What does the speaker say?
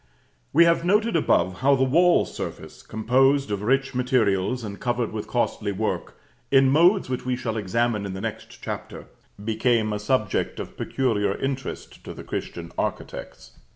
We have noted above how the wall surface, composed of rich materials, and covered with costly work, in modes which we shall examine in the next Chapter, became a subject of peculiar interest to the Christian architects.